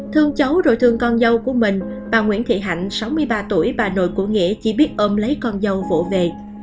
thương cháu rồi thương con dâu của mình bà nguyễn thị hạnh sáu mươi ba tuổi bà nội của nghĩa chỉ biết ôm lấy con dâu vộ về